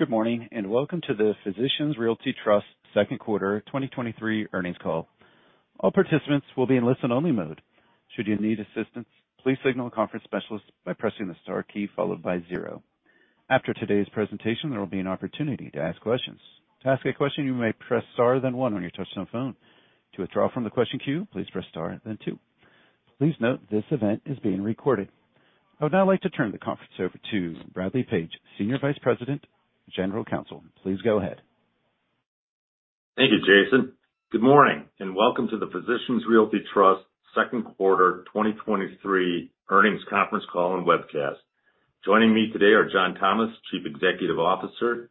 Good morning, and welcome to the Physicians Realty Trust second quarter 2023 earnings call. All participants will be in listen-only mode. Should you need assistance, please signal the conference specialist by pressing the star key followed by 0. After today's presentation, there will be an opportunity to ask questions. To ask a question, you may press star, then 1 on your touchtone phone. To withdraw from the question queue, please press star, then 2. Please note, this event is being recorded. I would now like to turn the conference over to Bradley Page, Senior Vice President, General Counsel. Please go ahead. Thank you, Jason. Good morning, welcome to the Physicians Realty Trust second quarter 2023 earnings conference call and webcast. Joining me today are John Thomas, Chief Executive Officer;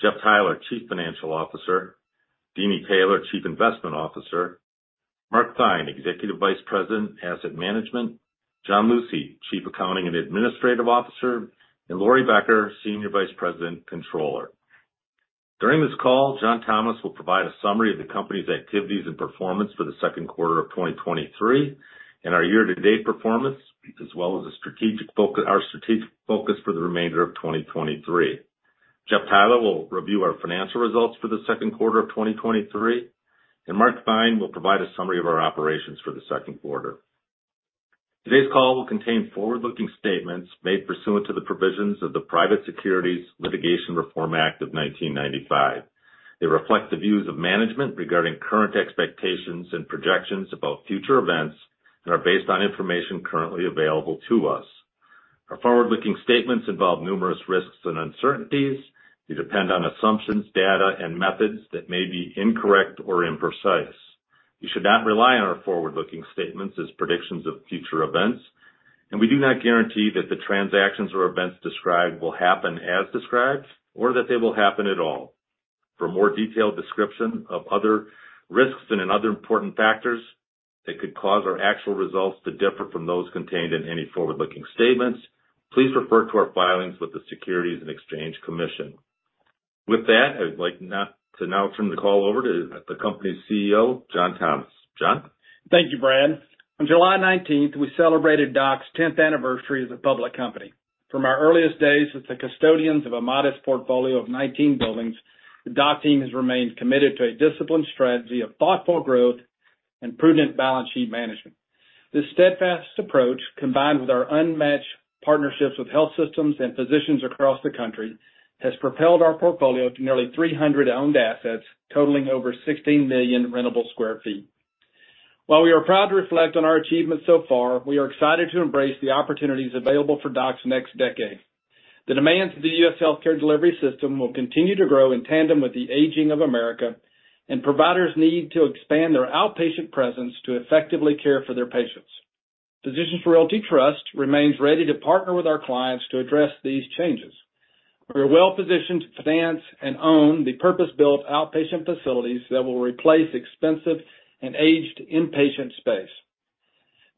Jeff Tyler, Chief Financial Officer; Deanie Taylor, Chief Investment Officer; Mark Fine, Executive Vice President, Asset Management; John Lucy, Chief Accounting and Administrative Officer; and Laurie Becker, Senior Vice President, Controller. During this call, John Thomas will provide a summary of the company's activities and performance for the second quarter of 2023 and our year-to-date performance, our strategic focus for the remainder of 2023. Jeff Tyler will review our financial results for the second quarter of 2023, Mark Fine will provide a summary of our operations for the second quarter. Today's call will contain forward-looking statements made pursuant to the provisions of the Private Securities Litigation Reform Act of 1995. They reflect the views of management regarding current expectations and projections about future events, and are based on information currently available to us. Our forward-looking statements involve numerous risks and uncertainties. They depend on assumptions, data, and methods that may be incorrect or imprecise. You should not rely on our forward-looking statements as predictions of future events, and we do not guarantee that the transactions or events described will happen as described, or that they will happen at all. For more detailed description of other risks and other important factors that could cause our actual results to differ from those contained in any forward-looking statements, please refer to our filings with the Securities and Exchange Commission. With that, I'd like to now turn the call over to the company's CEO, John Thomas. John? Thank you, Brad. On July 19th, we celebrated DOC's tenth anniversary as a public company. From our earliest days as the custodians of a modest portfolio of 19 buildings, the DOC team has remained committed to a disciplined strategy of thoughtful growth and prudent balance sheet management. This steadfast approach, combined with our unmatched partnerships with health systems and physicians across the country, has propelled our portfolio to nearly 300 owned assets, totaling over 16 million rentable square feet. While we are proud to reflect on our achievements so far, we are excited to embrace the opportunities available for DOC's next decade. The demands of the U.S. healthcare delivery system will continue to grow in tandem with the aging of America. Providers need to expand their outpatient presence to effectively care for their patients. Physicians Realty Trust remains ready to partner with our clients to address these changes. We are well-positioned to finance and own the purpose-built outpatient facilities that will replace expensive and aged inpatient space.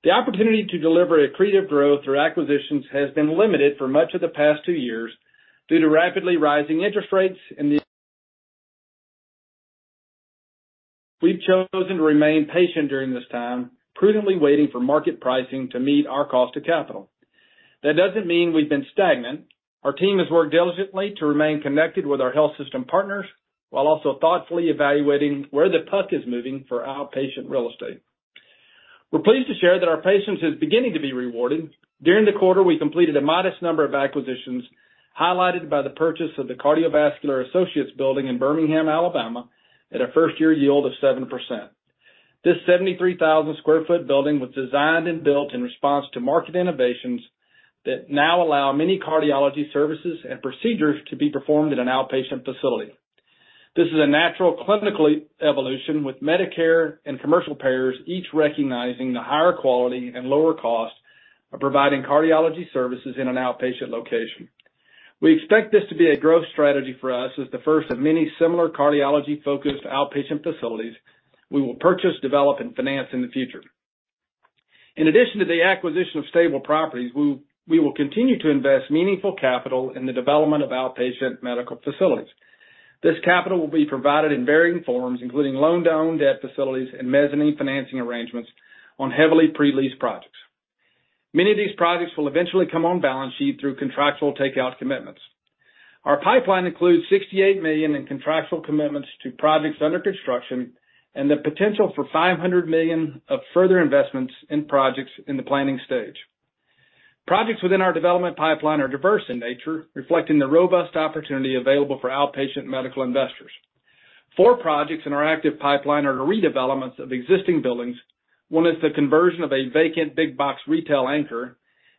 The opportunity to deliver accretive growth through acquisitions has been limited for much of the past two years due to rapidly rising interest rates and the. We've chosen to remain patient during this time, prudently waiting for market pricing to meet our cost to capital. That doesn't mean we've been stagnant. Our team has worked diligently to remain connected with our health system partners, while also thoughtfully evaluating where the puck is moving for outpatient real estate. We're pleased to share that our patience is beginning to be rewarded. During the quarter, we completed a modest number of acquisitions, highlighted by the purchase of the Cardiovascular Associates building in Birmingham, Alabama, at a first-year yield of 7%. This 73,000 sq ft building was designed and built in response to market innovations that now allow many cardiology services and procedures to be performed at an outpatient facility. This is a natural clinical evolution, with Medicare and commercial payers each recognizing the higher quality and lower cost of providing cardiology services in an outpatient location. We expect this to be a growth strategy for us as the first of many similar cardiology-focused outpatient facilities we will purchase, develop, and finance in the future. In addition to the acquisition of stable properties, we will continue to invest meaningful capital in the development of outpatient medical facilities. This capital will be provided in varying forms, including loan-down debt facilities and mezzanine financing arrangements on heavily pre-leased projects. Many of these projects will eventually come on balance sheet through contractual takeout commitments. Our pipeline includes $68 million in contractual commitments to projects under construction and the potential for $500 million of further investments in projects in the planning stage. Projects within our development pipeline are diverse in nature, reflecting the robust opportunity available for outpatient medical investors. Four projects in our active pipeline are the redevelopments of existing buildings, one is the conversion of a vacant big box retail anchor,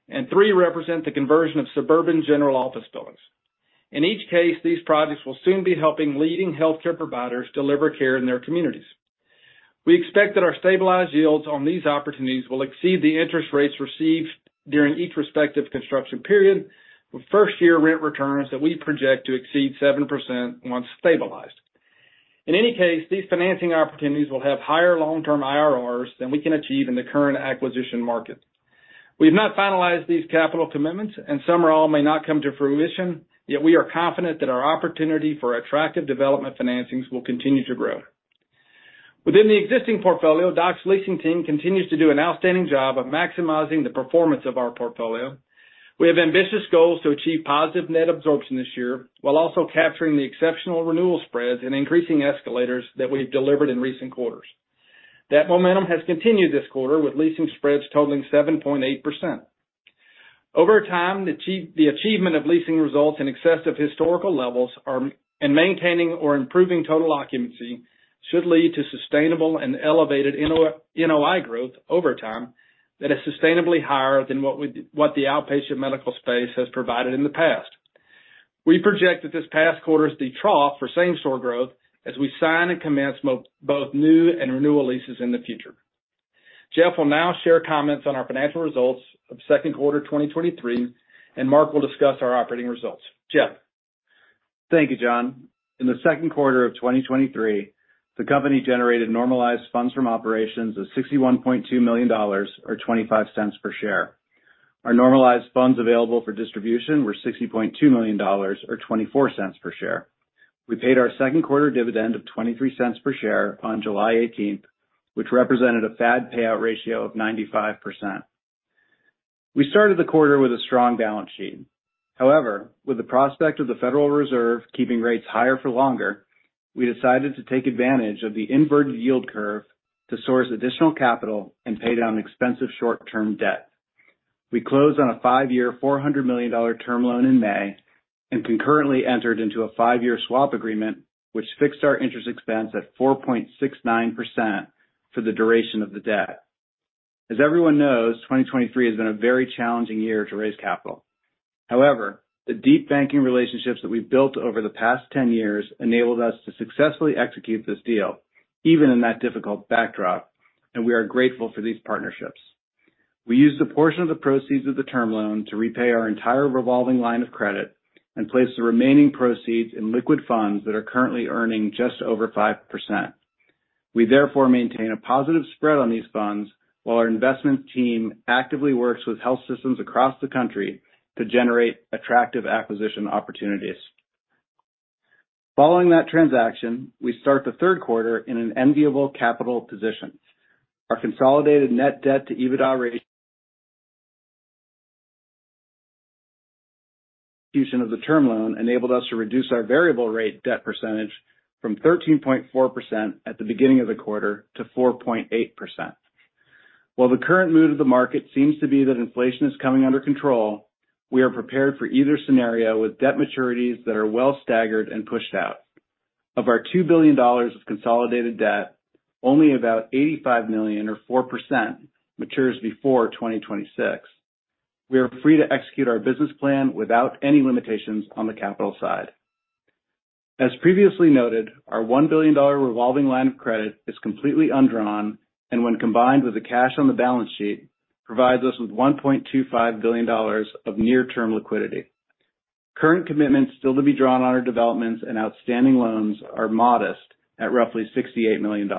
and three represent the conversion of suburban general office buildings. In each case, these projects will soon be helping leading healthcare providers deliver care in their communities. We expect that our stabilized yields on these opportunities will exceed the interest rates received during each respective construction period, with first-year rent returns that we project to exceed 7% once stabilized. In any case, these financing opportunities will have higher long-term IRRs than we can achieve in the current acquisition market. We have not finalized these capital commitments, and some or all may not come to fruition, yet we are confident that our opportunity for attractive development financings will continue to grow. Within the existing portfolio, DOC's leasing team continues to do an outstanding job of maximizing the performance of our portfolio. We have ambitious goals to achieve positive net absorption this year, while also capturing the exceptional renewal spreads and increasing escalators that we've delivered in recent quarters. That momentum has continued this quarter, with leasing spreads totaling 7.8%. Over time, the achievement of leasing results in excess of historical levels are, and maintaining or improving total occupancy, should lead to sustainable and elevated NOI, NOI growth over time, that is sustainably higher than what we what the outpatient medical space has provided in the past. We project that this past quarter is the trough for same-store growth as we sign and commence both new and renewal leases in the future. Jeff will now share comments on our financial results of second quarter 2023. Mark will discuss our operating results. Jeff? Thank you, John. In the second quarter of 2023, the company generated normalized funds from operations of $61.2 million, or $0.25 per share. Our normalized funds available for distribution were $60.2 million, or $0.24 per share. We paid our second quarter dividend of $0.23 per share on July 18th, which represented a FAD payout ratio of 95%. We started the quarter with a strong balance sheet. However, with the prospect of the Federal Reserve keeping rates higher for longer, we decided to take advantage of the inverted yield curve to source additional capital and pay down expensive short-term debt. We closed on a 5-year, $400 million term loan in May and concurrently entered into a 5-year swap agreement, which fixed our interest expense at 4.69% for the duration of the debt. As everyone knows, 2023 has been a very challenging year to raise capital. However, the deep banking relationships that we've built over the past 10 years enabled us to successfully execute this deal, even in that difficult backdrop, and we are grateful for these partnerships. We used a portion of the proceeds of the term loan to repay our entire revolving line of credit and placed the remaining proceeds in liquid funds that are currently earning just over 5%. We therefore maintain a positive spread on these funds while our investment team actively works with health systems across the country to generate attractive acquisition opportunities. Following that transaction, we start the third quarter in an enviable capital position. Our consolidated net debt to EBITDA ratio- of the term loan enabled us to reduce our variable rate debt percentage from 13.4% at the beginning of the quarter to 4.8%. While the current mood of the market seems to be that inflation is coming under control, we are prepared for either scenario with debt maturities that are well staggered and pushed out. Of our $2 billion of consolidated debt, only about $85 million, or 4%, matures before 2026. We are free to execute our business plan without any limitations on the capital side. As previously noted, our $1 billion revolving line of credit is completely undrawn, and when combined with the cash on the balance sheet, provides us with $1.25 billion of near-term liquidity. Current commitments still to be drawn on our developments and outstanding loans are modest, at roughly $68 million.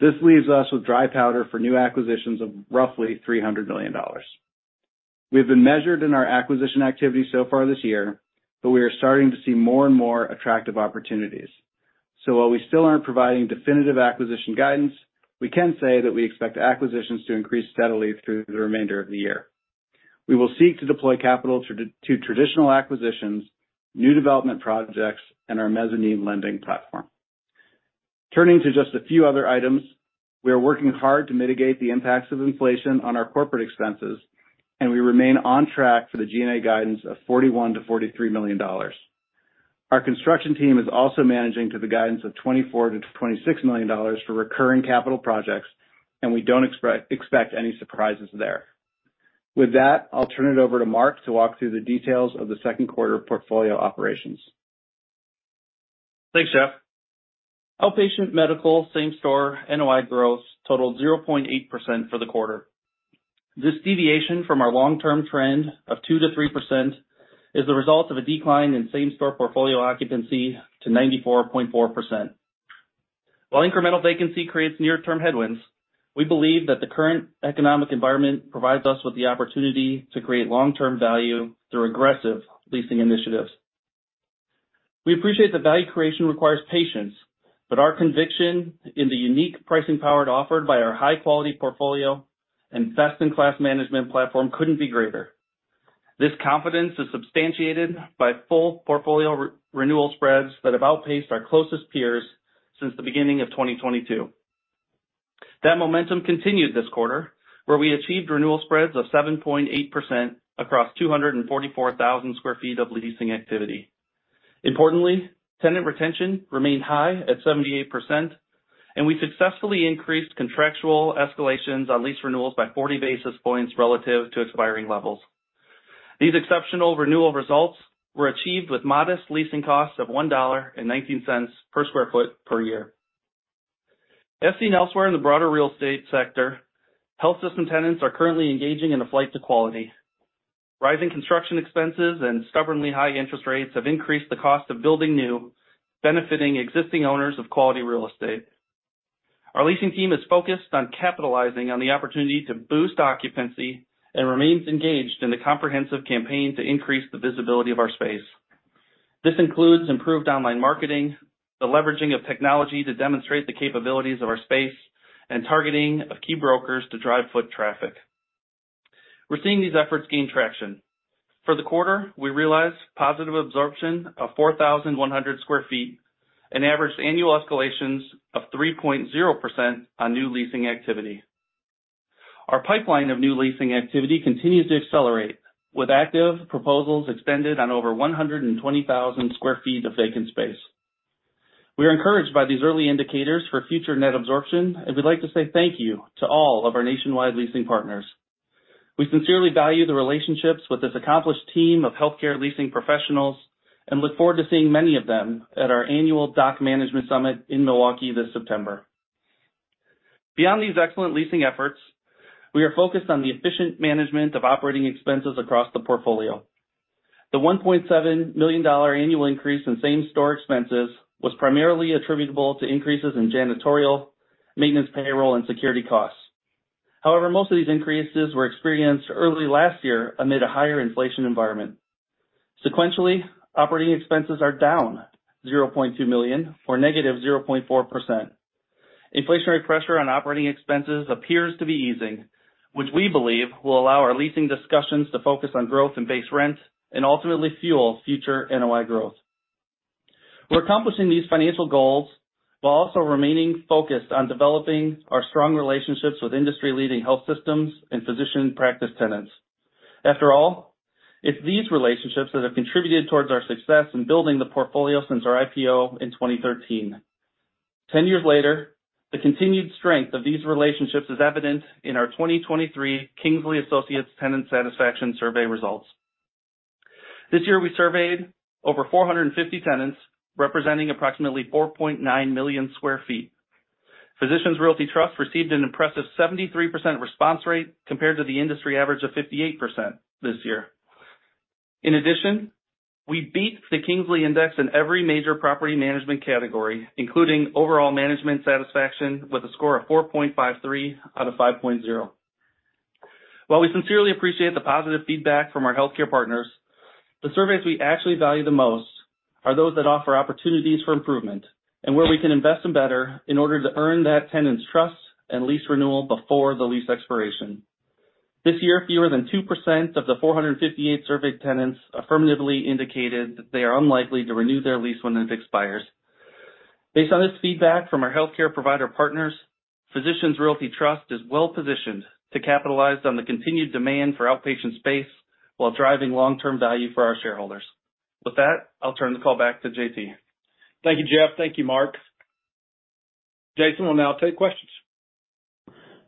This leaves us with dry powder for new acquisitions of roughly $300 million. We've been measured in our acquisition activity so far this year, but we are starting to see more and more attractive opportunities. While we still aren't providing definitive acquisition guidance, we can say that we expect acquisitions to increase steadily through the remainder of the year. We will seek to deploy capital to traditional acquisitions, new development projects, and our mezzanine lending platform. Turning to just a few other items, we are working hard to mitigate the impacts of inflation on our corporate expenses, we remain on track for the G&A guidance of $41 million-$43 million. Our construction team is also managing to the guidance of $24 million-$26 million for recurring capital projects. We don't expect any surprises there. With that, I'll turn it over to Mark to walk through the details of the second quarter portfolio operations. Thanks, Jeff. Outpatient medical same-store NOI growth totaled 0.8% for the quarter. This deviation from our long-term trend of 2%-3% is the result of a decline in same-store portfolio occupancy to 94.4%. While incremental vacancy creates near-term headwinds, we believe that the current economic environment provides us with the opportunity to create long-term value through aggressive leasing initiatives. We appreciate that value creation requires patience, but our conviction in the unique pricing power offered by our high-quality portfolio and best-in-class management platform couldn't be greater. This confidence is substantiated by full portfolio re- renewal spreads that have outpaced our closest peers since the beginning of 2022. That momentum continued this quarter, where we achieved renewal spreads of 7.8% across 244,000 sq ft of leasing activity. Importantly, tenant retention remained high at 78%, and we successfully increased contractual escalations on lease renewals by 40 basis points relative to expiring levels. These exceptional renewal results were achieved with modest leasing costs of $1.19 per square foot per year. As seen elsewhere in the broader real estate sector, health system tenants are currently engaging in a flight to quality. Rising construction expenses and stubbornly high interest rates have increased the cost of building new, benefiting existing owners of quality real estate. Our leasing team is focused on capitalizing on the opportunity to boost occupancy and remains engaged in the comprehensive campaign to increase the visibility of our space. This includes improved online marketing, the leveraging of technology to demonstrate the capabilities of our space, and targeting of key brokers to drive foot traffic. We're seeing these efforts gain traction. For the quarter, we realized positive absorption of 4,100 sq ft and average annual escalations of 3.0% on new leasing activity. Our pipeline of new leasing activity continues to accelerate, with active proposals extended on over 120,000 sq ft of vacant space. We are encouraged by these early indicators for future net absorption, and we'd like to say thank you to all of our nationwide leasing partners. We sincerely value the relationships with this accomplished team of healthcare leasing professionals, and look forward to seeing many of them at our annual DOC Management Summit in Milwaukee this September. Beyond these excellent leasing efforts, we are focused on the efficient management of operating expenses across the portfolio. The $1.7 million annual increase in same-store expenses was primarily attributable to increases in janitorial, maintenance, payroll, and security costs. However, most of these increases were experienced early last year amid a higher inflation environment. Sequentially, operating expenses are down $0.2 million, or -0.4%. Inflationary pressure on operating expenses appears to be easing, which we believe will allow our leasing discussions to focus on growth and base rent, and ultimately fuel future NOI growth. We're accomplishing these financial goals while also remaining focused on developing our strong relationships with industry-leading health systems and physician practice tenants. After all, it's these relationships that have contributed towards our success in building the portfolio since our IPO in 2013. 10 years later, the continued strength of these relationships is evident in our 2023 Kingsley Associates Tenant Satisfaction Survey results. This year, we surveyed over 450 tenants, representing approximately 4.9 million sq ft. Physicians Realty Trust received an impressive 73% response rate, compared to the industry average of 58% this year. In addition, we beat the Kingsley Index in every major property management category, including overall management satisfaction, with a score of 4.53 out of 5.0. While we sincerely appreciate the positive feedback from our healthcare partners, the surveys we actually value the most are those that offer opportunities for improvement and where we can invest in better in order to earn that tenant's trust and lease renewal before the lease expiration. This year, fewer than 2% of the 458 surveyed tenants affirmatively indicated that they are unlikely to renew their lease when it expires. Based on this feedback from our healthcare provider partners, Physicians Realty Trust is well positioned to capitalize on the continued demand for outpatient space while driving long-term value for our shareholders. With that, I'll turn the call back to JT. Thank you, Jeff. Thank you, Mark. Jason will now take questions.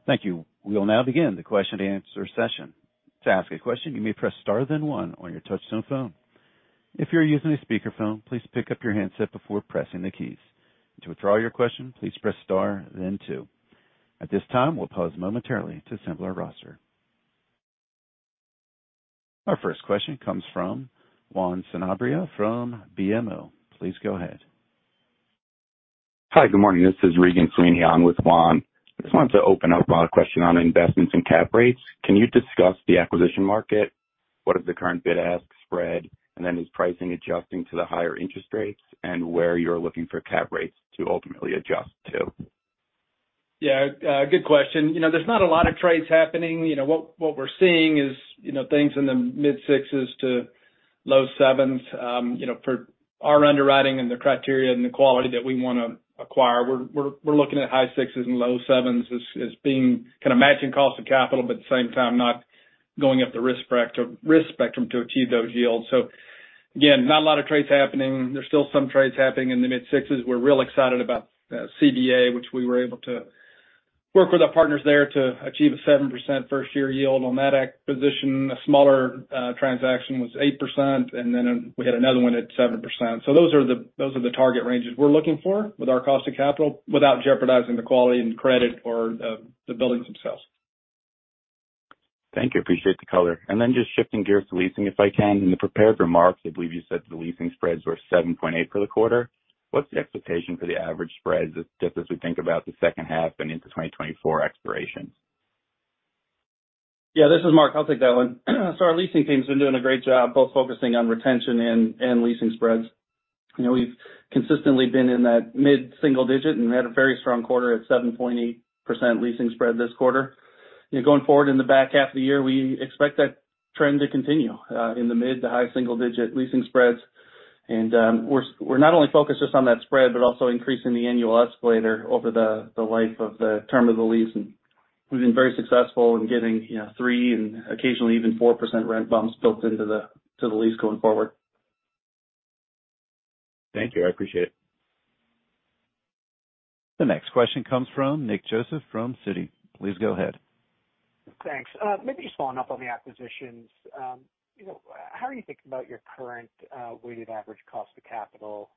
Thank you. We will now begin the question and answer session. To ask a question, you may press star, then one on your touchtone phone. If you're using a speakerphone, please pick up your handset before pressing the keys. To withdraw your question, please press star then two. At this time, we'll pause momentarily to assemble our roster. Our first question comes from Juan Sanabria from BMO. Please go ahead. Hi, good morning. This is Regan Sweeney on with Juan. I just wanted to open up a question on investments and cap rates. Can you discuss the acquisition market? What is the current bid-ask spread, and then is pricing adjusting to the higher interest rates, and where you're looking for cap rates to ultimately adjust to? Good question. You know, there's not a lot of trades happening. You know, what, what we're seeing is, you know, things in the mid-6s to low 7s. You know, for our underwriting and the criteria and the quality that we want to acquire, we're, we're, we're looking at high 6s and low 7s as, as being kind of matching cost of capital, but at the same time, not going up the risk spectrum to achieve those yields. Again, not a lot of trades happening. There's still some trades happening in the mid-6s. We're real excited about CBA, which we were able to work with our partners there to achieve a 7% first-year yield on that acquisition. A smaller transaction was 8%, and then we had another one at 7%. Those are the, those are the target ranges we're looking for with our cost of capital, without jeopardizing the quality and credit or the, the buildings themselves. Then just shifting gears to leasing, if I can. In the prepared remarks, I believe you said the leasing spreads were 7.8 for the quarter. What's the expectation for the average spreads as, just as we think about the second half and into 2024 expirations? Yeah, this is Mark. I'll take that one. Our leasing team's been doing a great job both focusing on retention and, and leasing spreads. You know, we've consistently been in that mid-single digit and had a very strong quarter at 7.8% leasing spread this quarter. Going forward in the back half of the year, we expect that trend to continue in the mid to high single digit leasing spreads. We're, we're not only focused just on that spread, but also increasing the annual escalator over the, the life of the term of the lease. We've been very successful in getting, you know, 3% and occasionally even 4% rent bumps built into the, to the lease going forward. Thank you. I appreciate it. The next question comes from Nick Joseph from Citi. Please go ahead. Thanks. Maybe just following up on the acquisitions. You know, how are you thinking about your current weighted average cost of capital?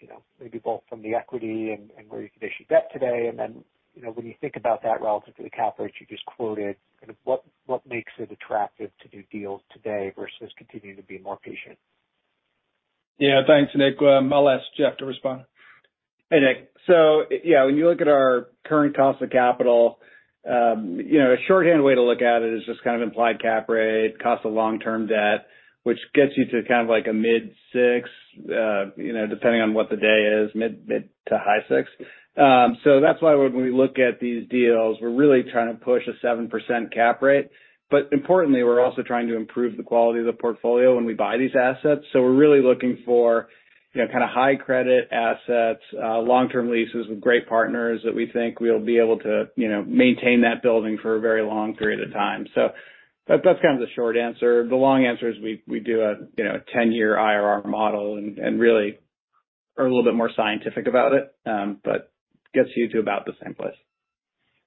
You know, maybe both from the equity and where you can issue debt today, and then, you know, when you think about that relative to the cap rates you just quoted, kind of what, what makes it attractive to do deals today versus continuing to be more patient? Yeah, thanks, Nick. I'll ask Jeff to respond. Hey, Nick. Yeah, when you look at our current cost of capital, you know, a shorthand way to look at it is just kind of implied cap rate, cost of long-term debt, which gets you to kind of like a mid-6%, you know, depending on what the day is, mid-6% to high-6%. That's why when we look at these deals, we're really trying to push a 7% cap rate. Importantly, we're also trying to improve the quality of the portfolio when we buy these assets. We're really looking for, you know, kind of high credit assets, long-term leases with great partners that we think we'll be able to, you know, maintain that building for a very long period of time. That, that's kind of the short answer. The long answer is we, we do a, you know, a 10-year IRR model and, and really are a little bit more scientific about it, but gets you to about the same place.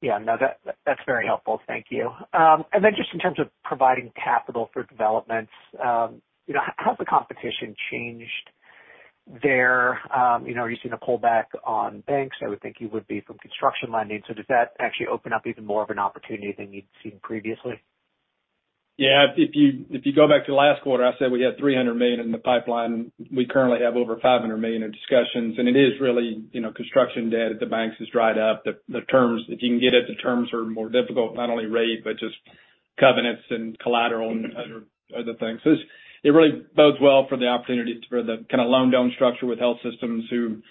Yeah. No, that, that's very helpful. Thank you. Then just in terms of providing capital for developments, you know, has the competition changed there? You know, are you seeing a pullback on banks? I would think you would be from construction lending. Does that actually open up even more of an opportunity than you'd seen previously? Yeah, if you, if you go back to last quarter, I said we had $300 million in the pipeline. We currently have over $500 million in discussions, it is really, you know, construction debt at the banks has dried up. The, the terms, if you can get it, the terms are more difficult, not only rate, but just covenants and collateral and other, other things. It really bodes well for the opportunity for the kind of loan-down structure with health systems who,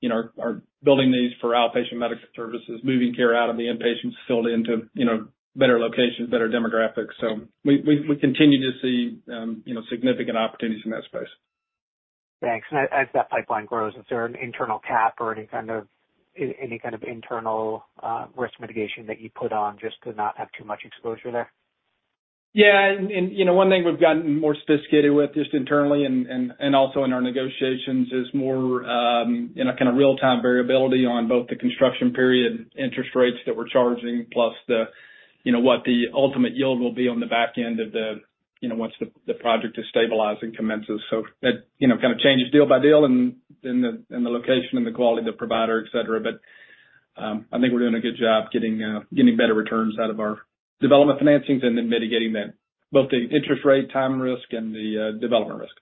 you know, are building these for outpatient medical services, moving care out of the inpatient facility into, you know, better locations, better demographics. We, we, we continue to see, you know, significant opportunities in that space. Thanks. As, as that pipeline grows, is there an internal cap or any kind of, any kind of internal, risk mitigation that you put on just to not have too much exposure there? Yeah, you know, one thing we've gotten more sophisticated with, just internally and, and, and also in our negotiations, is more, you know, kind of real-time variability on both the construction period interest rates that we're charging, plus the, you know, what the ultimate yield will be on the back end of the, you know, once the project is stabilized and commences. That, you know, kind of changes deal by deal and then the, and the location and the quality of the provider, et cetera. I think we're doing a good job getting, getting better returns out of our development financings and then mitigating that, both the interest rate, time risk, and the development risk.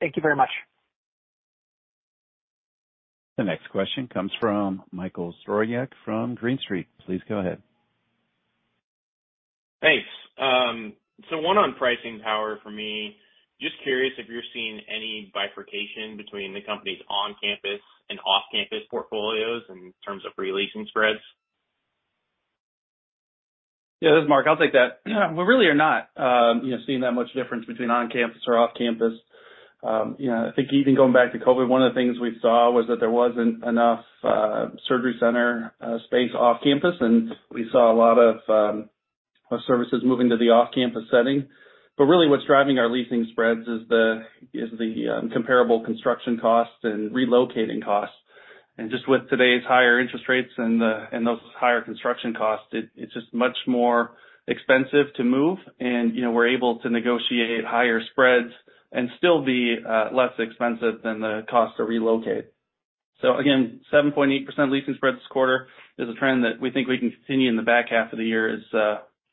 Thank you very much. The next question comes from Michael Zaremski, from Green Street. Please go ahead. Thanks. 1 on pricing power for me. Just curious if you're seeing any bifurcation between the company's on-campus and off-campus portfolios in terms of re-leasing spreads? Yeah, this is Mark. I'll take that. We really are not, you know, seeing that much difference between on-campus or off-campus. You know, I think even going back to COVID, one of the things we saw was that there wasn't enough surgery center space off campus, and we saw a lot of services moving to the off-campus setting. Really, what's driving our leasing spreads is the, is the comparable construction costs and relocating costs. Just with today's higher interest rates and the, and those higher construction costs, it, it's just much more expensive to move. You know, we're able to negotiate higher spreads and still be less expensive than the cost to relocate. Again, 7.8% leasing spread this quarter is a trend that we think we can continue in the back half of the year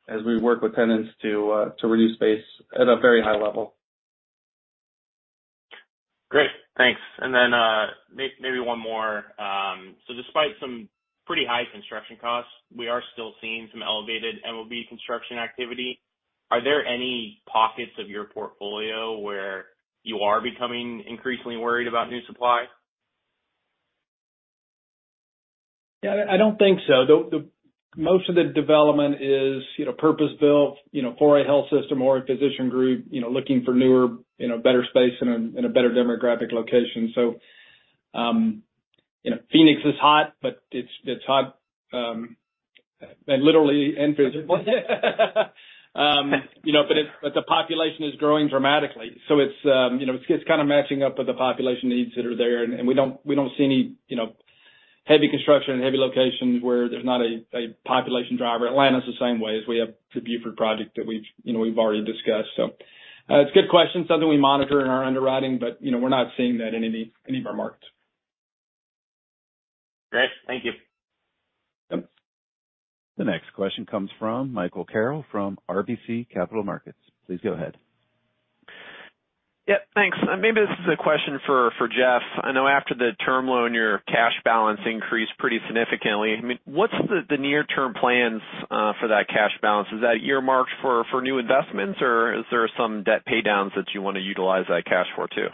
as we work with tenants to reduce space at a very high level. Great, thanks. Maybe one more. Despite some pretty high construction costs, we are still seeing some elevated MOB construction activity. Are there any pockets of your portfolio where you are becoming increasingly worried about new supply? Yeah, I, I don't think so. The development is, you know, purpose-built, you know, for a health system or a physician group, you know, looking for newer, you know, better space in a, in a better demographic location. You know, Phoenix is hot, but it's, it's hot, and literally and physically. You know, but the population is growing dramatically, so it's, you know, it's kind of matching up with the population needs that are there, and, and we don't, we don't see any, you know, heavy construction and heavy locations where there's not a, a population driver. Atlanta's the same way, as we have the Buford project that we've, you know, we've already discussed. It's a good question, something we monitor in our underwriting, but, you know, we're not seeing that in any, any of our markets. Great, thank you. Yep. The next question comes from Michael Carroll from RBC Capital Markets. Please go ahead. Yeah, thanks. Maybe this is a question for, for Jeff. I know after the term loan, your cash balance increased pretty significantly. I mean, what's the, the near-term plans, for that cash balance? Is that earmarked for, for new investments, or is there some debt pay downs that you want to utilize that cash for, too?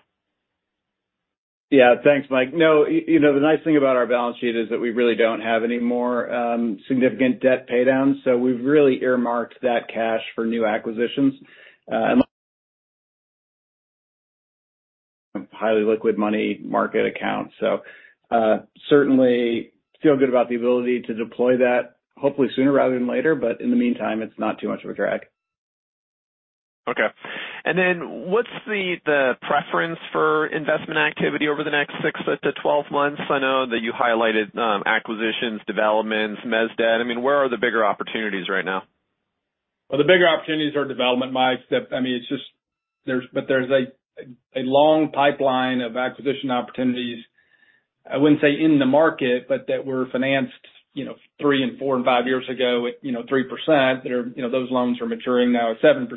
Yeah, thanks, Mike. No, you know, the nice thing about our balance sheet is that we really don't have any more significant debt pay downs, so we've really earmarked that cash for new acquisitions and highly liquid money market account. Certainly feel good about the ability to deploy that, hopefully sooner rather than later, but in the meantime, it's not too much of a drag. Okay. Then what's the, the preference for investment activity over the next six to 12 months? I know that you highlighted acquisitions, developments, mez debt. I mean, where are the bigger opportunities right now? Well, the bigger opportunities are development, Mike. That, I mean, there's a long pipeline of acquisition opportunities, I wouldn't say in the market, but that were financed, you know, 3 and 4 and 5 years ago at, you know, 3%, that are. You know, those loans are maturing now at 7%.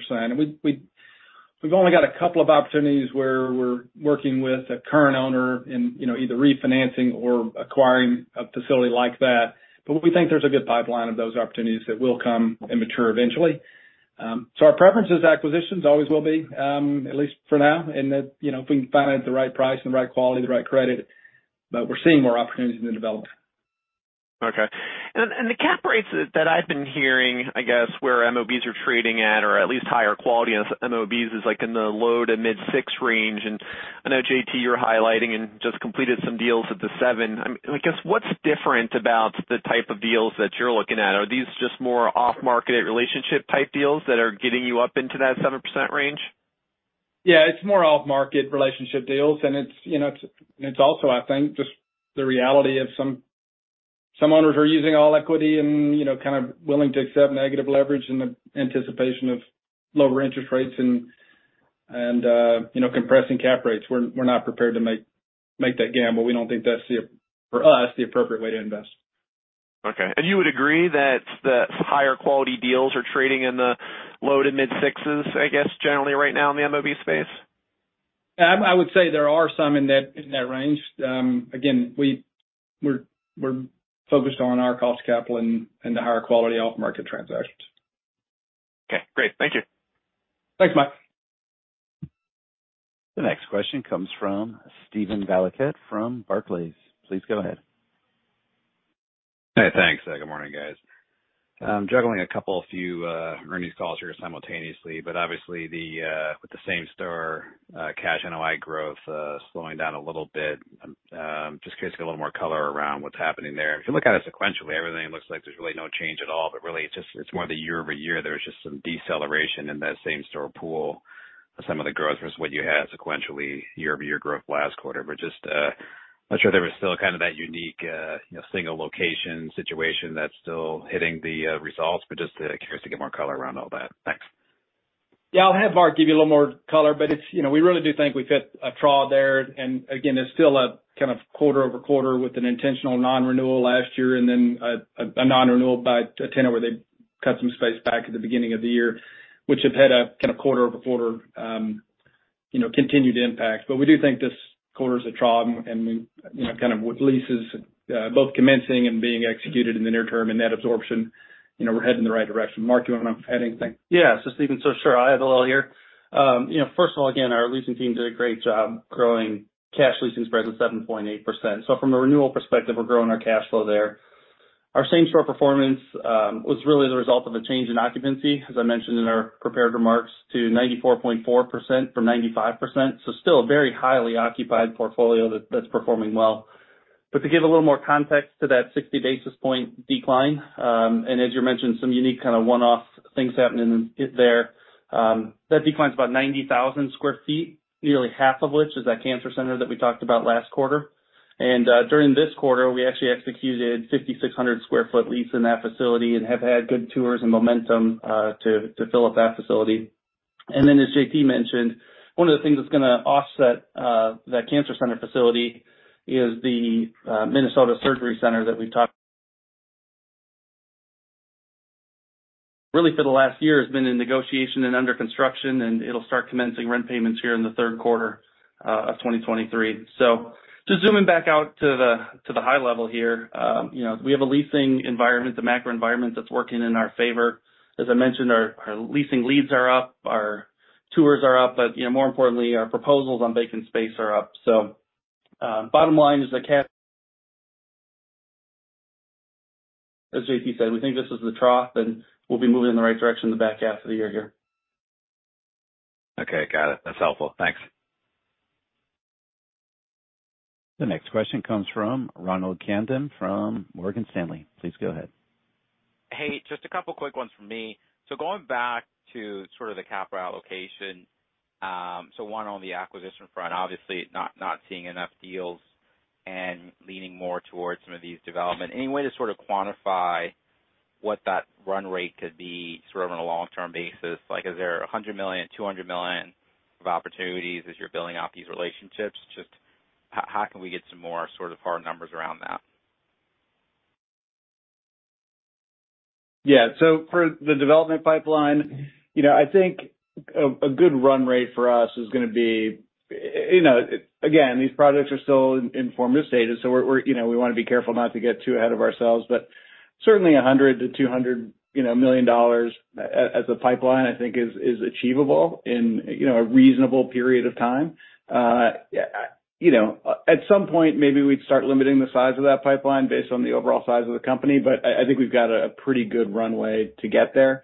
We've only got a couple of opportunities where we're working with a current owner in, you know, either refinancing or acquiring a facility like that. We think there's a good pipeline of those opportunities that will come and mature eventually. Our preference is acquisitions, always will be, at least for now, and that, you know, if we can find it at the right price and the right quality, the right credit, but we're seeing more opportunities in the development. Okay. And the cap rates that, that I've been hearing, I guess, where MOBs are trading at, or at least higher quality MOBs, is like in the low to mid 6% range. I know, JT, you're highlighting and just completed some deals at the 7%. I guess, what's different about the type of deals that you're looking at? Are these just more off-market relationship type deals that are getting you up into that 7% range? Yeah, it's more off-market relationship deals, and it's, you know, it's, it's also, I think, just the reality of some, some owners are using all equity and, you know, kind of willing to accept negative leverage in the anticipation of lower interest rates and, and, you know, compressing cap rates. We're, we're not prepared to make, make that gamble. We don't think that's the, for us, the appropriate way to invest. Okay. you would agree that the higher quality deals are trading in the low to mid sixes, I guess, generally right now in the MOB space? I would say there are some in that, in that range. Again, we're, we're focused on our cost of capital and, and the higher quality off-market transactions. Okay, great. Thank you. Thanks, Mike. The next question comes from Steven Valiquette from Barclays. Please go ahead. Hey, thanks. Good morning, guys. Juggling a couple, few earnings calls here simultaneously, but obviously, the with the same store cash NOI growth slowing down a little bit. Just curious to get a little more color around what's happening there. If you look at it sequentially, everything looks like there's really no change at all, but really, it's just it's more the year-over-year, there's just some deceleration in that same store pool. Some of the growth versus what you had sequentially year-over-year growth last quarter. Just not sure there was still kind of that unique, you know, single location situation that's still hitting the results, but just curious to get more color around all that. Thanks. Yeah, I'll have Mark give you a little more color, but it's, you know, we really do think we hit a trough there, and again, there's still a kind of quarter-over-quarter with an intentional non-renewal last year, and then a non-renewal by a tenant where they cut some space back at the beginning of the year, which have had a kind of quarter-over-quarter, you know, continued impact. We do think this quarter is a trough and we, you know, kind of with leases, both commencing and being executed in the near term, and net absorption, you know, we're heading in the right direction. Mark, do you want to add anything? Yeah, Steven. Sure, I have a little here. You know, first of all, again, our leasing team did a great job growing cash leasing spreads of 7.8%. From a renewal perspective, we're growing our cash flow there. Our same store performance was really the result of a change in occupancy, as I mentioned in our prepared remarks, to 94.4% from 95%. Still a very highly occupied portfolio that, that's performing well. To give a little more context to that 60 basis point decline, and as you mentioned, some unique kind of one-off things happening there. That decline is about 90,000 sq ft, nearly half of which is that cancer center that we talked about last quarter. During this quarter, we actually executed 5,600 sq ft lease in that facility and have had good tours and momentum to fill up that facility. Then, as JT mentioned, one of the things that's gonna offset that cancer center facility is the Minnesota Surgery Center that we've talked... Really, for the last year, has been in negotiation and under construction, and it'll start commencing rent payments here in the third quarter of 2023. Just zooming back out to the, to the high level here, you know, we have a leasing environment, the macro environment, that's working in our favor. As I mentioned, our, our leasing leads are up, our tours are up, but, you know, more importantly, our proposals on vacant space are up. Bottom line is the cast... As JT said, we think this is the trough, and we'll be moving in the right direction in the back half of the year here. Okay, got it. That's helpful. Thanks. The next question comes from Ronald Kamdem from Morgan Stanley. Please go ahead. Hey, just a couple quick ones from me. Going back to sort of the capital allocation. One, on the acquisition front, obviously not seeing enough deals and leaning more towards some of these development. Any way to sort of quantify what that run rate could be sort of on a long-term basis? Like, is there $100 million, $200 million of opportunities as you're building out these relationships? How can we get some more sort of hard numbers around that? For the development pipeline, you know, I think a good run rate for us is gonna be, you know, again, these projects are still in formative stages, so we're, you know, we want to be careful not to get too ahead of ourselves, but certainly $100 million-$200 million, you know, as a pipeline, I think is achievable in, you know, a reasonable period of time. You know, at some point, maybe we'd start limiting the size of that pipeline based on the overall size of the company, but I think we've got a pretty good runway to get there.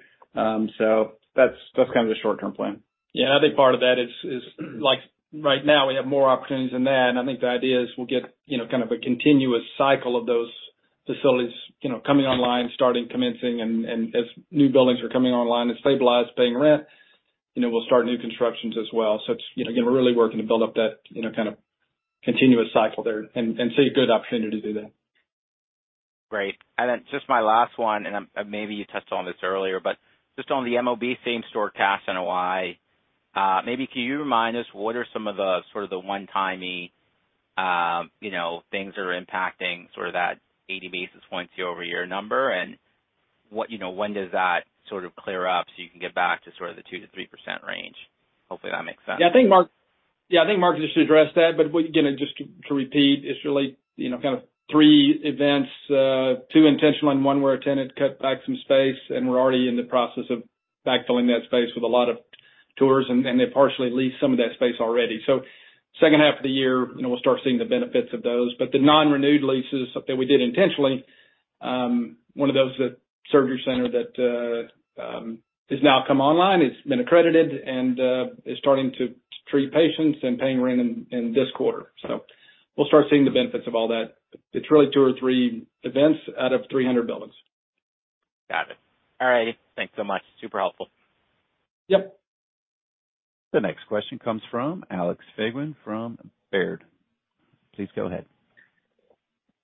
So that's, that's kind of the short-term plan. Yeah, I think part of that is, is like, right now, we have more opportunities than that, and I think the idea is we'll get, you know, kind of a continuous cycle of those facilities, you know, coming online, starting, commencing, and as new buildings are coming online and stabilized, paying rent, you know, we'll start new constructions as well. You know, again, we're really working to build up that, you know, kind of continuous cycle there and, and see a good opportunity to do that. Great. Then just my last one, and, maybe you touched on this earlier, but just on the MOB same store cast NOI, maybe can you remind us what are some of the, sort of the one-timey, you know, things that are impacting sort of that 80 basis points year-over-year number? what, you know, when does that sort of clear up so you can get back to sort of the 2%-3% range? Hopefully, that makes sense. Yeah, I think Mark, yeah, I think Mark just addressed that. Again, just to repeat, it's really, you know, kind of 3 events, 2 intentional and one where a tenant cut back some space, and we're already in the process of backfilling that space with a lot of tours, and, and they've partially leased some of that space already. Second half of the year, you know, we'll start seeing the benefits of those. The non-renewed leases that we did intentionally, one of those, the surgery center that has now come online, it's been accredited and is starting to, to treat patients and paying rent in, in this quarter. We'll start seeing the benefits of all that. It's really 2 or 3 events out of 300 buildings. Got it. All right. Thanks so much. Super helpful. Yep. The next question comes from Alexi Fagin from Baird. Please go ahead.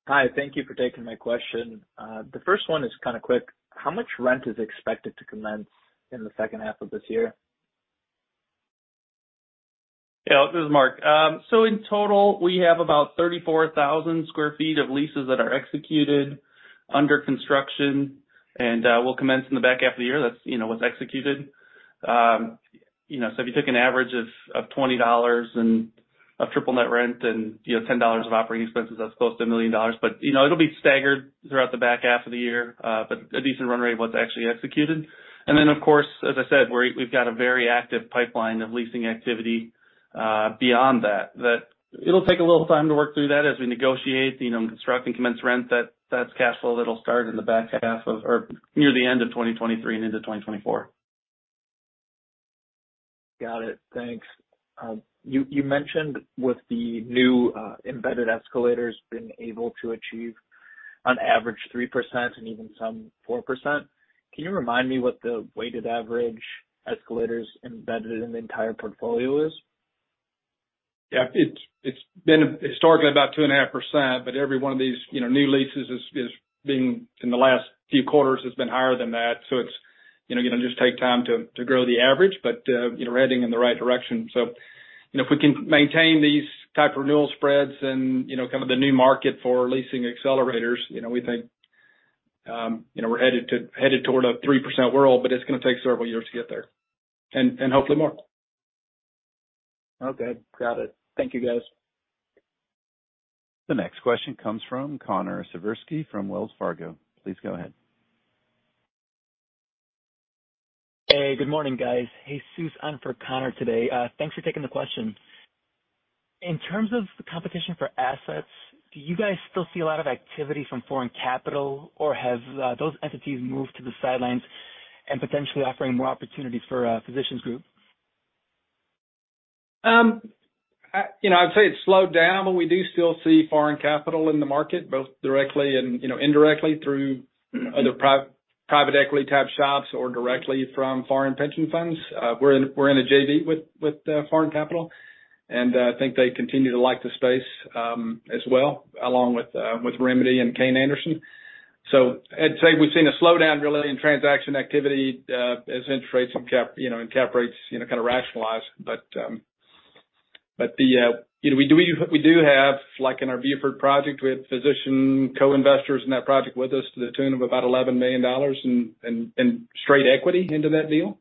Hi, thank you for taking my question. The first one is kind of quick. How much rent is expected to commence in the second half of this year? Yeah, this is Mark. In total, we have about 34,000 sq ft of leases that are executed under construction, and we'll commence in the back half of the year. That's, you know, what's executed. You know, if you took an average of $20 and of triple net rent and, you know, $10 of operating expenses, that's close to $1 million. You know, it'll be staggered throughout the back half of the year, but a decent run rate of what's actually executed. Then, of course, as I said, we've got a very active pipeline of leasing activity, beyond that, that it'll take a little time to work through that as we negotiate, you know, construct and commence rent, that's cash flow, that'll start in the back half of or near the end of 2023 and into 2024. Got it. Thanks. You, you mentioned with the new embedded escalators being able to achieve on average 3% and even some 4%. Can you remind me what the weighted average escalators embedded in the entire portfolio is? Yeah, it's, it's been historically about 2.5%, but every one of these, you know, new leases is, is being in the last few quarters, has been higher than that. It's, you know, gonna just take time to, to grow the average, but, we're heading in the right direction. You know, if we can maintain these type of renewal spreads and, you know, kind of the new market for leasing accelerators, you know, we think, you know, we're headed toward a 3% world, but it's gonna take several years to get there, and, and hopefully more. Okay, got it. Thank you, guys. The next question comes from Connor Siversky from Wells Fargo. Please go ahead. Hey, good morning, guys. Hey, Sue's in for Conor today. Thanks for taking the question. In terms of the competition for assets, do you guys still see a lot of activity from foreign capital, or have, those entities moved to the sidelines and potentially offering more opportunities for a physicians group? You know, I'd say it's slowed down, but we do still see foreign capital in the market, both directly and, you know, indirectly through other private equity type shops or directly from foreign pension funds. We're in, we're in a JV with, with foreign capital, and I think they continue to like the space, as well, along with Remedy and Kayne Anderson. I'd say we've seen a slowdown, really, in transaction activity, as interest rates and cap, you know, and cap rates, you know, kind of rationalize. The, you know, we do, we do have, like in our Beaufort project, we had physician co-investors in that project with us to the tune of about $11 million and, and, and straight equity into that deal.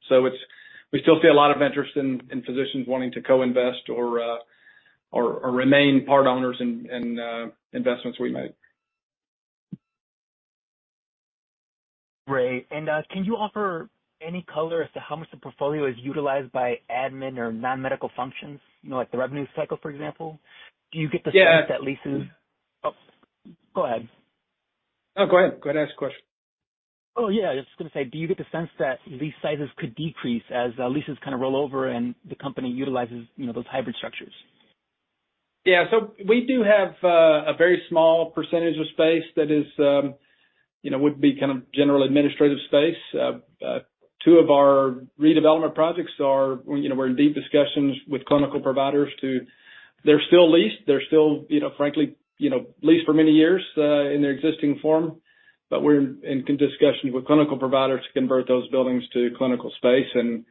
We still see a lot of interest in, in physicians wanting to co-invest or, or, or remain part owners in, in, investments we make. Can you offer any color as to how much the portfolio is utilized by admin or non-medical functions? You know, like the revenue cycle, for example. Do you get the sense that leases- Yeah. Oh, go ahead. No, go ahead. Go ahead, ask the question. Oh, yeah, I was just gonna say, do you get the sense that lease sizes could decrease as leases kind of roll over and the company utilizes, you know, those hybrid structures? Yeah. We do have a very small percentage of space that is, you know, would be kind of general administrative space. 2 of our redevelopment projects are, you know, we're in deep discussions with clinical providers. They're still leased. They're still, you know, frankly, you know, leased for many years in their existing form. We're in discussions with clinical providers to convert those buildings to clinical space, and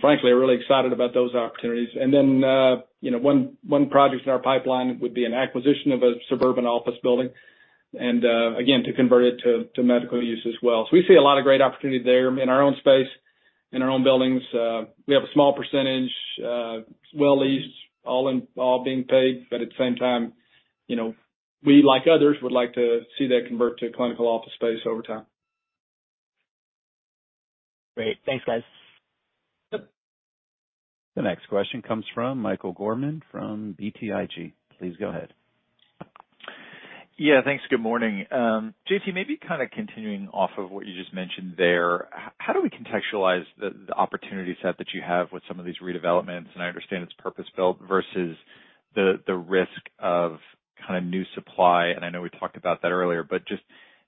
frankly, are really excited about those opportunities. You know, one, one project in our pipeline would be an acquisition of a suburban office building, and again, to convert it to medical use as well. We see a lot of great opportunity there in our own space, in our own buildings. We have a small percentage, well leased, all in-- all being paid, but at the same time, you know, we, like others, would like to see that convert to clinical office space over time. Great. Thanks, guys. Yep. The next question comes from Michael Gorman, from BTIG. Please go ahead. Yeah, thanks. Good morning. JT, maybe kind of continuing off of what you just mentioned there. How do we contextualize the, the opportunity set that you have with some of these redevelopments, and I understand it's purpose-built, versus the, the risk of kind of new supply? I know we talked about that earlier, but just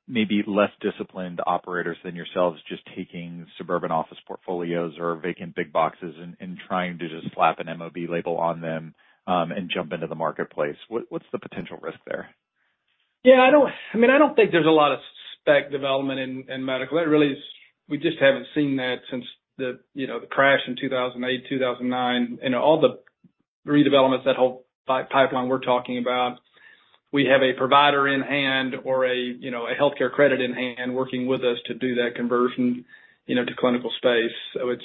maybe less disciplined operators than yourselves, just taking suburban office portfolios or vacant big boxes and, and trying to just slap an MOB label on them, and jump into the marketplace. What, what's the potential risk there? Yeah, I don't, I mean, I don't think there's a lot of spec development in, in medical. It really is. We just haven't seen that since the, you know, the crash in 2008, 2009. You know, all the redevelopments, that whole pipeline we're talking about, we have a provider in hand or a, you know, a healthcare credit in hand working with us to do that conversion, you know, to clinical space.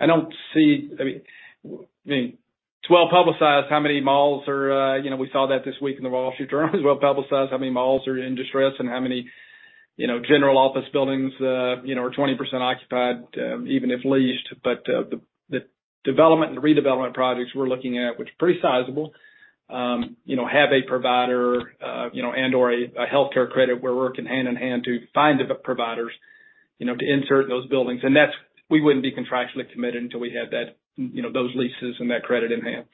I don't see, I mean, I mean, it's well-publicized how many malls are, you know, we saw that this week in The Wall Street Journal. It's well-publicized how many malls are in distress and how many, you know, general office buildings, you know, are 20% occupied, even if leased. The development and redevelopment projects we're looking at, which are pretty sizable, you know, have a provider, you know, and/or a healthcare credit. We're working hand-in-hand to find the providers, you know, to insert those buildings. We wouldn't be contractually committed until we had that, you know, those leases and that credit in hand.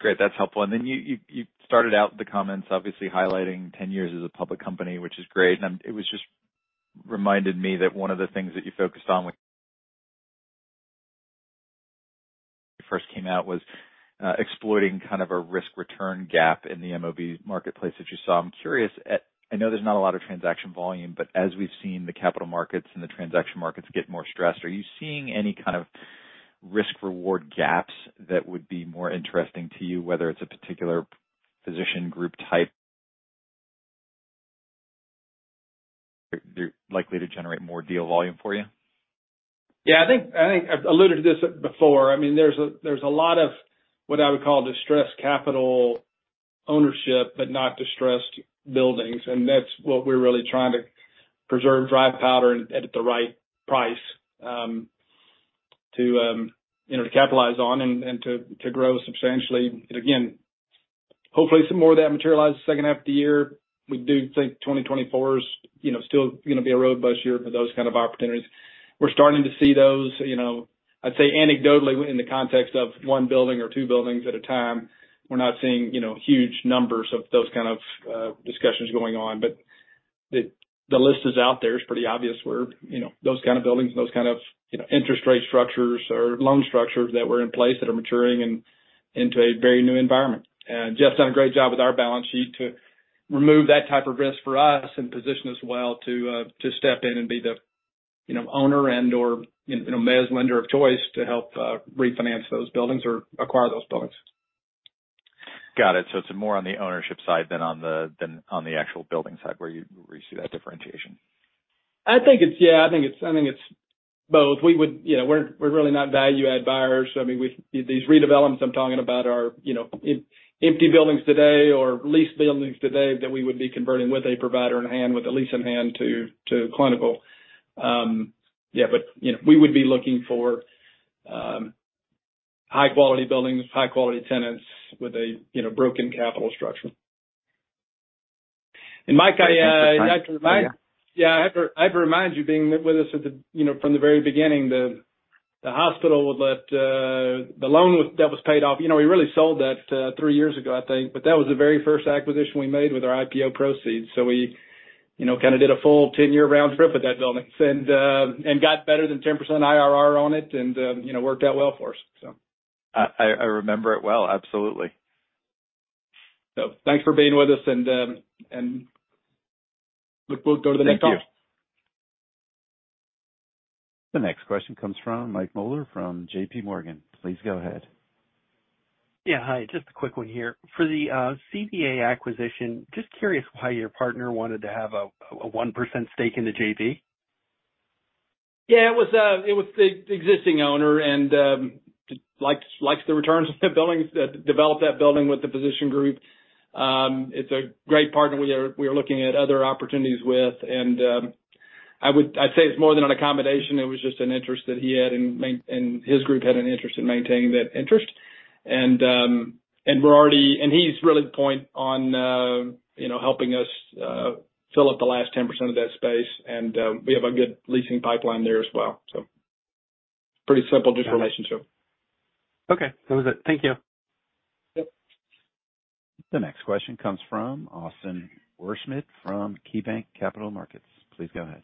Great. That's helpful. Then you started out the comments, obviously highlighting 10 years as a public company, which is great. It just reminded me that one of the things that you focused on when you first came out was exploiting kind of a risk-return gap in the MOB marketplace that you saw. I'm curious, I know there's not a lot of transaction volume, but as we've seen the capital markets and the transaction markets get more stressed, are you seeing any kind of risk-reward gaps that would be more interesting to you, whether it's a particular physician group type, they're likely to generate more deal volume for you? Yeah, I think, I think I've alluded to this before. I mean, there's a, there's a lot of what I would call distressed capital ownership, but not distressed buildings, and that's what we're really trying to preserve, dry powder, and at the right price, to, you know, to capitalize on and, and to, to grow substantially. Again, hopefully, some more of that materializes second half of the year. We do think 2024 is, you know, still, gonna be a robust year for those kind of opportunities. We're starting to see those, you know, I'd say anecdotally, in the context of 1 building or 2 buildings at a time. We're not seeing, you know, huge numbers of those kind of discussions going on. The, the list is out there. It's pretty obvious where, you know, those kind of buildings and those kind of, you know, interest rate structures or loan structures that were in place that are maturing and into a very new environment. Jeff's done a great job with our balance sheet to remove that type of risk for us and position us well to step in and be the, you know, owner and/or, you know, mez lender of choice to help refinance those buildings or acquire those buildings. Got it. It's more on the ownership side than on the, than on the actual building side, where you, where you see that differentiation? I think it's, yeah, I think it's, I think it's both. We would, you know, we're, we're really not value-add buyers. I mean, we. These redevelopments I'm talking about are, you know, empty buildings today, or leased buildings today, that we would be converting with a provider in hand, with a lease in hand to, to clinical. But, you know, we would be looking for, high-quality buildings, high-quality tenants with a, you know, broken capital structure. Mike, I, yeah, I have to, I have to remind you, being with us at the, you know, from the very beginning, the, the hospital that, the loan was, that was paid off. You know, we really sold that, 3 years ago, I think, but that was the very first acquisition we made with our IPO proceeds. We, you know, kind of did a full 10-year round trip with that building. And got better than 10% IRR on it and, you know, worked out well for us. I, I, remember it well. Absolutely. Thanks for being with us, and, and look, we'll go to the next call. Thank you. The next question comes from Michael Mueller, from JPMorgan. Please go ahead. Yeah. Hi, just a quick one here. For the CBA acquisition, just curious why your partner wanted to have a 1% stake in the JV? Yeah, it was, it was the existing owner and likes, likes the returns of the buildings, developed that building with the physician group. It's a great partner we are, we are looking at other opportunities with. I'd say it's more than an accommodation. It was just an interest that he had, and his group had an interest in maintaining that interest. He's really the point on, you know, helping us fill up the last 10% of that space. We have a good leasing pipeline there as well. Pretty simple, just relationship. Got it. Okay, that was it. Thank you. Yep. The next question comes from Austin Wurschmidt from KeyBanc Capital Markets. Please go ahead.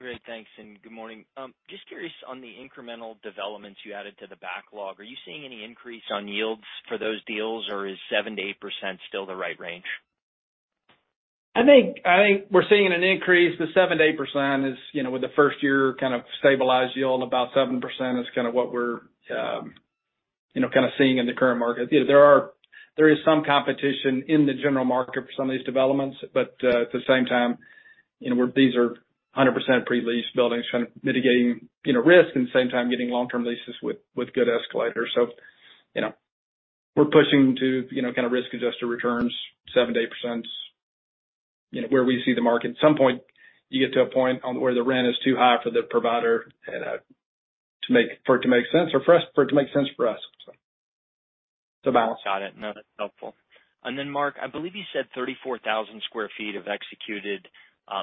Great, thanks, and good morning. Just curious, on the incremental developments you added to the backlog, are you seeing any increase on yields for those deals, or is 7%-8% still the right range? I think, I think we're seeing an increase. The 7%-8% is, you know, with the first year kind of stabilized yield, about 7% is kind of what we're, you know, kind of seeing in the current market. You know, there is some competition in the general market for some of these developments, but at the same time, you know, these are 100% pre-leased buildings, kind of mitigating, you know, risk and the same time getting long-term leases with, with good escalators. You know, we're pushing to, you know, kind of risk-adjusted returns, 7%-8%, you know, where we see the market. At some point, you get to a point on, where the rent is too high for the provider, for it to make sense or for us, for it to make sense for us. It's a balance. Got it. No, that's helpful. Then, Mark, I believe you said 34,000 square feet of executed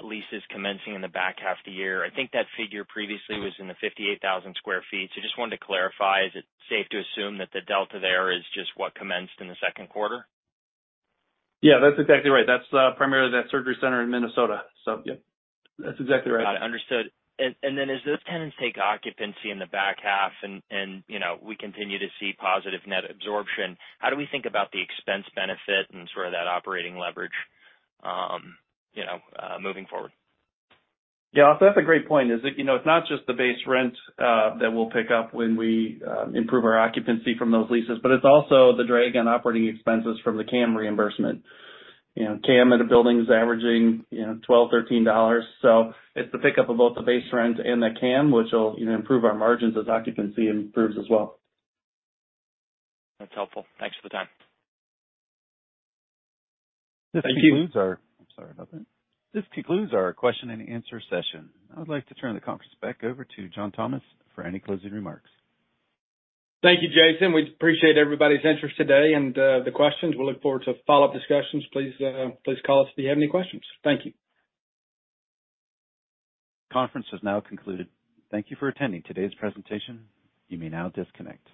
leases commencing in the back half of the year. I think that figure previously was in the 58,000 square feet. Just wanted to clarify: Is it safe to assume that the delta there is just what commenced in the second quarter? Yeah, that's exactly right. That's primarily that surgery center in Minnesota. Yeah, that's exactly right. Got it. Understood. Then as those tenants take occupancy in the back half, you know, we continue to see positive net absorption, how do we think about the expense benefit and sort of that operating leverage, you know, moving forward? Yeah, that's a great point, is that, you know, it's not just the base rent that we'll pick up when we improve our occupancy from those leases, but it's also the drag on operating expenses from the CAM reimbursement. You know, CAM at a building is averaging, you know, $12-$13. It's the pickup of both the base rent and the CAM, which will, you know, improve our margins as occupancy improves as well. That's helpful. Thanks for the time. Thank you. I'm sorry about that. This concludes our question and answer session. I would like to turn the conference back over to John Thomas for any closing remarks. Thank you, Jason. We appreciate everybody's interest today and the questions. We'll look forward to follow-up discussions. Please, please call us if you have any questions. Thank you. Conference is now concluded. Thank you for attending today's presentation. You may now disconnect.